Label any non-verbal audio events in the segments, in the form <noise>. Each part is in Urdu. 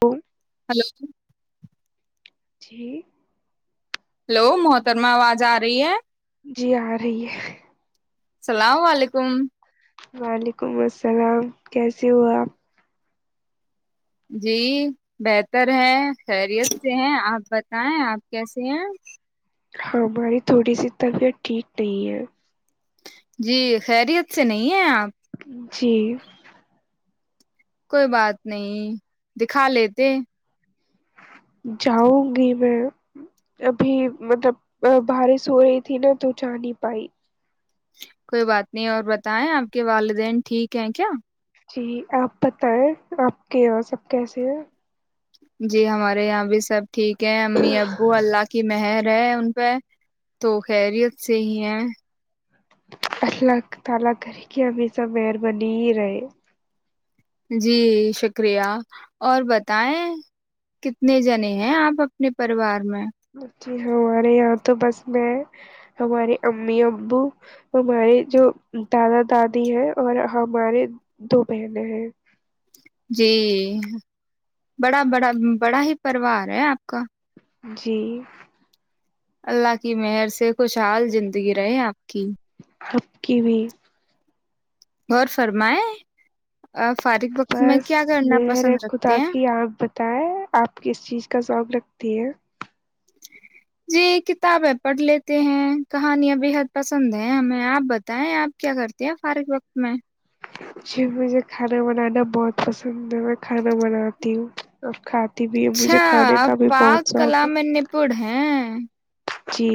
کون ہلو جی ہلو محترما آواز آ رہی ہے جی آ رہی ہے اللام و علیکم وعلیکم السلام کیسے ہوا جی بہتر ہے خیریت سے ہیں آپ بتائیں آپ کیسے ہیں ہماری تھوڑی سی طبیعت ٹھیک نہیں ہے جی خیریت سے نہیں ہیں آپ جی کوئی بات نہیں دکھا لیتے جاؤں گی میں ابھی مطلب بارش ہو رہی تھی نا تو جا نہیں پائی کوئی بات نہیں اور بتائیں آپ کے والدین ٹھیک ہیں کیا جی آپ بتائیں آپ کے یہاں سب کیسے ہیں جی ہمارے یہاں بھی سب ٹھیک ہے امی ابو اللہ کی مہر رہ ان پہ تو خیریت سے ہی ہیں اللہ تعالی گھر بنی ہی رہے جی شکریہ اور بتائیں کتنے جنے ہیں آپ اپنے پریوار میں جی ہمارے یہاں تو بس میں ہمارے امی ابو ہمارے جو دادا دادی ہیں اور ہمارے دو بہنیں ہیں جی بڑا بڑا بڑا ہی پروار ہے آپ کا جی اللہ کی مہر سے خوشحال زندگی رہے آپ کی آب کی بھی اورغ فرمائے بس م نےے خدا رکھتے ہیں کی آپ بتائے آپ کس چیز کا شوق رکھ تیر جی کتابیں پڑھ لیتے ہیں کہانیاں بےحد پسند ہیں ہمیں آپ بتائیں آپ کیا کرتے ہیں فارغ وقت میں جی مجھے کھانا بنانا بہت پسند ہے میں کھانا بناتی ہوں کھاتی بھی ہے مجھے اچھا کھانے آپ کا بھی پاک بہت شوق کلا ہے میں نپڑ ہیں جی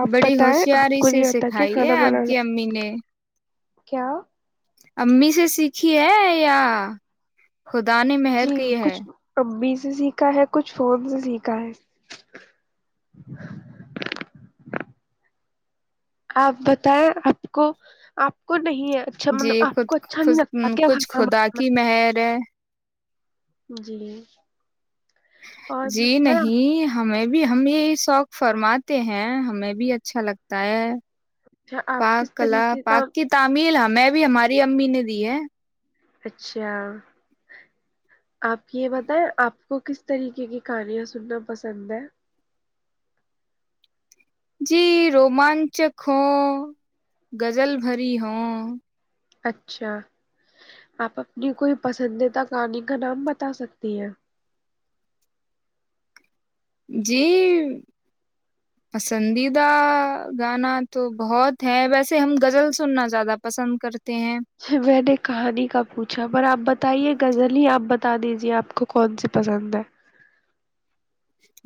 آپ بڑی بتائیں آپ ہوشیاری کو سے نہیں آتا کیا سکھائی ہے کھانا آپ کی بنانا امی نے کیا امی سے سیکھی ہے یا خدا نے مہر کی جی ہے کچھ امی سے سیکھا ہے کچھ فون سے سیکھا ہے آپ بتائیں آپ کو آپ کو نہیں ہے اچھا جی مطلب آپ خود کو اچھا نہیں خود لگتا کیا کچھ کھانا خدا کی بنانا مہر ہے جی اور جی بتائیں نہیں ہمیں بھی ابھی ہم یہ شوق فرماتے ہیں ہمیں بھی اچھا لگتا ہے اچھا آپ کس پاک کلا طریقے کا پاک کی تعمل ہم یں بھی ہماری امی نے دی ہے اچھا آپ یہ بتائیں آپ کو کس طریقے کی کہانیاں سننا پسند ہے جی رومانچک ہوں غزل بھری ہوں اچھا آپ اپنی کوئی پسندیدہ کہانی کا نام بتا سکتی ہیں جی پسندیدہ گانا تو بہت ہے ویسے ہم غزل سننا زیادہ پسند کر میں نے کہانی کا پوچھا پر آپ بتائیے غزل ہی آپ ب بتا دیجیے آپ کو کون سی پسند ہے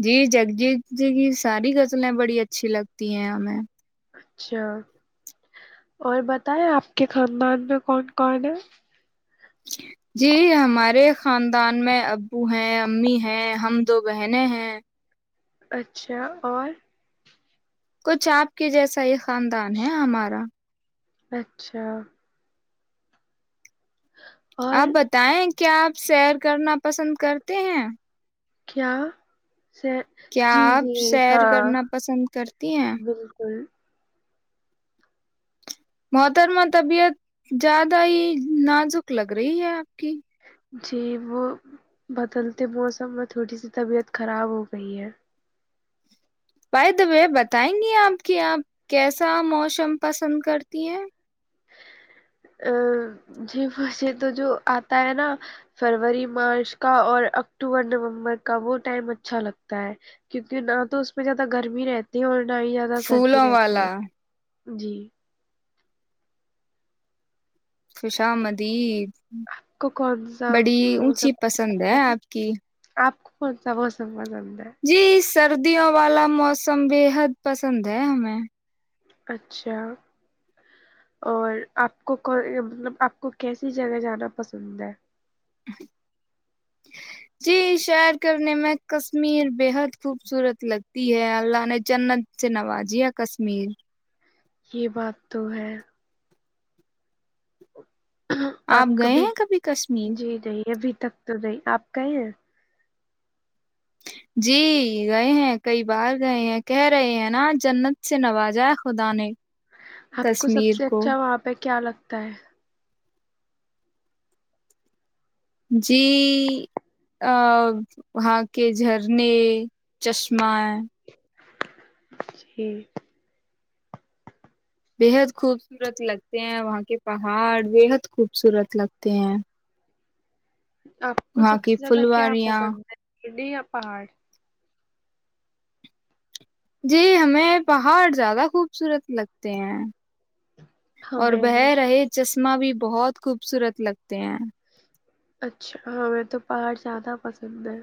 جی جگجیت جی کی ساری زلیں بڑی اچھی لگتی ہیں ہمیں اچھا اور بتائیں آپ کے خاندان میں کون کون ہے جی ہمارے خاندان میں ابو ہیں امی ہیں ہم دو بہنیں ہیں اچھا اور کچھ آپ کے جیسا ہی خاندان ہے ہمارا اچھا اور آپ بتائیں کیا آپ سیر کرنا پسند کرتے ہیں کیا سے کیا جی آپ جی سیر ہاں کرنا پسند کرتی ہیں بالکل محترمہ طبیعت زیادہ ہی نازک لگ رہی ہے آپ کی جی وہ بدلتے موسم میں تھوڑی سی طبیعت خراب ہو گئی ہے بائی دبے بتائیں گی آپ کیا آپ کیسا موسم پسند کرتی ہیں ا ج تو جو آتا ہے نا فروری مارچ کا اور اکتوبر نومبر کا وہ ٹائم اچھا لگتا ہے کیونکہ نہ تو اس میں زیادہ گرمی رہتی ہے اور ہی زیادہ سردی پھولوں رہتی ہے والا جی خشامد آپ کو کون سا اونچی پسند مومتا ہے آپ کی آپ پتا س م جا جی سردیوں والا موسم بےحد پسند ہے ہمیں اچھا اور آپ کو مطلب آپ کو کیسی جگہ جانا پسند ہے جی شعر کرنے میں کشمیر بےحد خوبصورت لگتی ہے اللہ نے جنت سے نوازیا کشمیر یہ بات تو ہے آپ کا گئے بھی ہیں کبھی کشمیر جی جیے بھی تک تو نہیں آپ کہئے ہیں جی گئے ہیں کئی بار گئے ہیں کہہ رہے ہیں نا جنت سے نوازائے خدا نے آپ کو سب کشمیر سے کو اچھا وہاں پہ کیا لگتا ہے جی وہاں کے جھرنے چشمہ جی بےحد خوبصورت لگتے ہیں وہاں کے پہاڑ بےحد خوبصورت لگتے ہیں آپ کو وہاں سب کی سے زیادہ کیا پھلواریاں پسند ہے گڑیا پہاڑ جی ہمیں پہاڑ زیادہ خوبصورت لگتے ہیں اور ہمیں بہ بھی رہے جس چسمہ بھی بہت خوبصورت لگتے ہیں اچھا ہاں میںیں تو پہاڑ زیادہ پسند ہے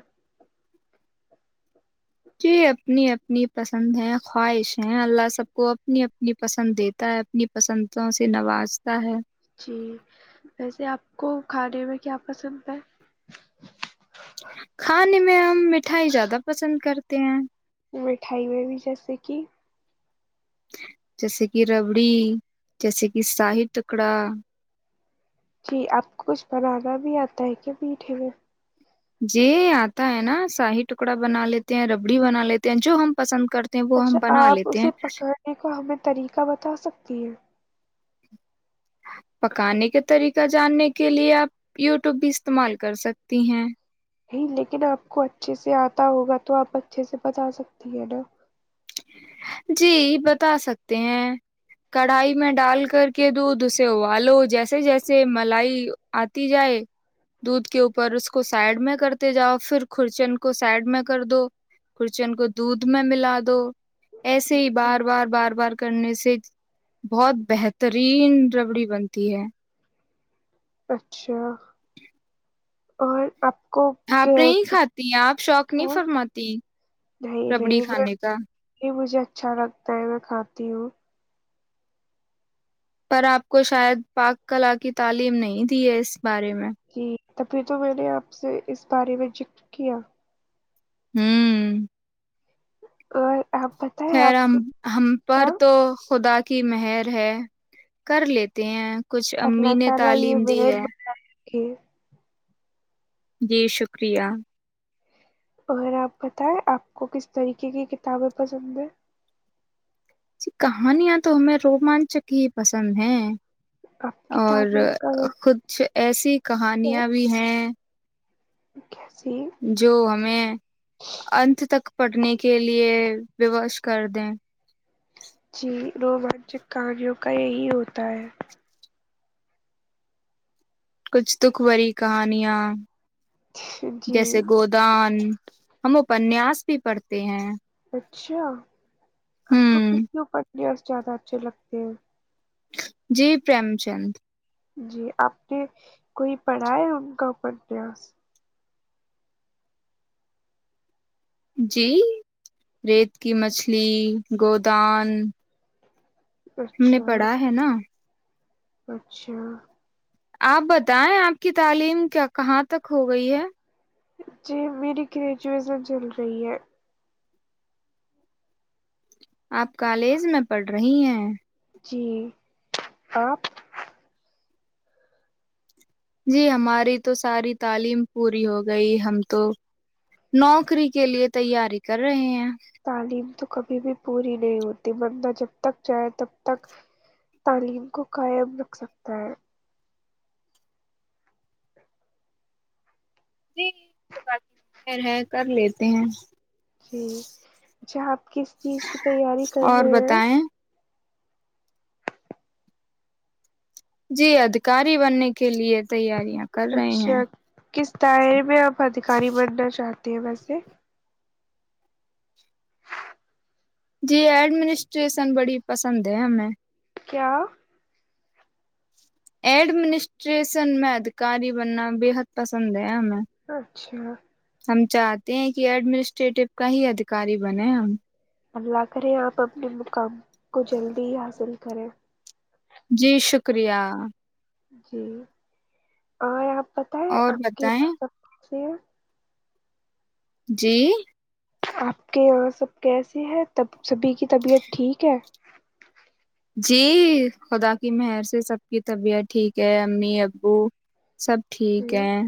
یہ اپنی اپنی پسند ہیں خواہش ہیں اللہ سب کو اپنی اپنی پسند دیتا ہے اپنی پسندوں سے نوازتا ہے جی ویسے آپ کو کھانے میں کیا پسند ہے کھانے میں ہم مٹھائی زیادہ پسند کرتے ہیں مٹھائی میں بھی جیسے کہ جیسے کہ ربڑی جیسے کہ شاہ ٹکڑا جی آپ کو کچھ بنانا بھی آتا ہے کیا میٹھے میں جی آتا ہے نا شاہی ٹکڑا بنا لیتے ہیں ربڑی بنا لیتے ہیں جو ہم پسند کرتے ہیں وہ اچھا ہم بنا آپ لیتے اسے ہیں پکڑنے کو ہمیں طریقہ بتا سکتی ہے پکانے کے طریقہ جاننے کے لیے آپ یوٹیوب بھی استعمال کر سکتی ہیں نہیں لیکن آپ کو اچھے سے آتا ہوگا تو آپ اچھے سے بتا سکتی ہیں نا جی بتا سکتے ہیں کڑھائی میں ڈال کر کے دودھ سے والو جیس ے جیسے ملائی آتی جائے دودھ کے اوپر اس کو سائڈ میں کرتے جاؤ پھر کورچین کو سائڈ میں کر دو کورچین کو دودھ میں ملا دو دو ایسے ہی بار بار بار بار کرنے سے بہت بہترین ربڑی بنتی ہے اچھا اور آپ کو آپ کیا نہیں کھاتی آپ شوق نہیں کیا فرماتی نہیں ربڑی نہیں میں کھانے کا یہ مجھے اچھا لگتا ہے میں کھاتی ہوں پر آپ کو شاید پاک کلا کی تعلیم نہیں دی ہے اس بارے میں جی تبھی تو میں نے آپ سے اس بارے میں ذکر کیا ہوں اور آپ بتائیں خیر آپ ہم کو ہم پر کیا تو خدا کی مہر ہے کر لیتے ہیں کچھ امی نے تعلیم دی ہے کہ جی شکریہ اور آپ بتائیں آپ کو کس طریقے کی کتابیں پسند ہیں جی کہانیاں تو ہمیں رومانچک ہی پسند ہیں آپ کی اور تعلیم کا وقت کچھ ایسی کہانیاں بھی ہیں کیسی جو ہمیں اننت تک پڑنے کے لیے ووش کر دیں روومانچک کہوں کا یہی ہوتا ہے کچھ دکھ بری کہانیاں ہے جی جیسے گودان ہم اپنیاس بھی پڑھتے ہیں اچھا آپ کو ہوں کس کے اوپر بس زیادہ اچھے لگتے ہیں جی پریم چند جی آپ نے کوئی پڑھا ہے ان کا ابیاس جی ریت کی مچھلی گودان ہم نے اچھا پڑھا ہے نا اچھا آپ بتائیں آپ کی تعلیم کیا کہاں تک ہو گئی ہے جی میری گریجویشن چل رہی ہے آپ کالج میں پڑھ رہی ہیں جی آپ جی ہماری تو ساری تعلیم پوری ہو گئی ہم تو نوکری کے لیے تیاری کر رہے ہیں تعلیم تو کبھی بھی پوری نہیں ہوتی مرندہ جب تک جائے تب تک تعلیم کو قائم رکھ سکتا ہے جییر ہے کر لیتے ہیں جی جہپ کس چیز کی تیاری کر اور رہے ہیں بتائیں جی ادکاری بننے کے لیے تیاری اچھا کس دائرے میں آپ ادھیکاری بننا چاہتے د ب سے جی ایڈمنسٹریشن بڑی پسند ہے ہمیں کیا ایڈمنسٹریشن میں ادھیکاری بننا بےحد پسند ہے ہمیں اچھا ہم چاہتے ہیں کہ ایڈمنسٹریٹو کا ہی ادیکاری بنے ہم اللہ کرے آپ اپنے مقام کو جلدی ہی حاصل کریں جی شکریہ جی اور آپ اور بتائیں کی جی آپ کے یہاں سب کیسے ہےب سبھی کی طبیعت ٹھیک ہے جی خدا کی مہر سے سب کی طبیعت ٹھیک ہے امی ابو سب ٹھیک ہیں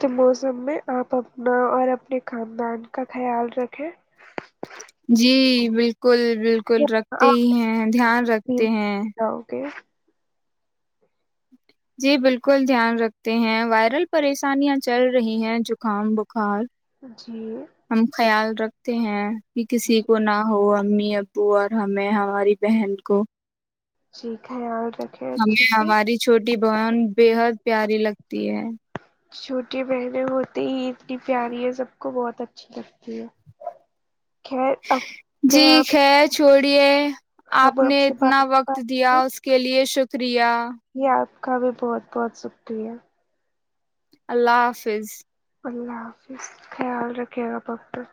کے موسم میں آپ اپنا اور اپنے خاندان کا خیال رکھیں جی بالکل کل بالکل رکھتے آپ ہی ہیں دھیان رکھتے بیمار ہیں ہو جاؤ گے جی بالکل دھیان رکھتے ہیں وائرل پریشانیاں چل رہی ہیں زکام بخار جی ہم خیال رکھتے ہیں کہ کسی جی کو نہ ہوا امی ابو اور ہمیں ہماری بہن کو جی خیال رکھیں ہمیں اچھے سے ہماری چھوٹی بہن بے حد پیاری لگتی ہے چھوٹی بہنیں ہوتی ہی اتنی پیاری ہے سب کو بہت اچھی لگتی ہے خیر اب میں آپ اڑیے ہم آپ نے سے بات اتنا وقت دیا اس کے لیے شکر <unintelligible> یار کا بھی بہت بہت شکریہ اللہ حافظ اللہ حافظ خیال رکھے گا آپ اپنا